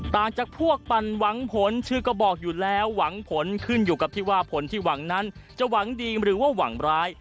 จากพวกปั่นหวังผลชื่อก็บอกอยู่แล้วหวังผลขึ้นอยู่กับที่ว่าผลที่หวังนั้นจะหวังดีหรือว่าหวังร้าย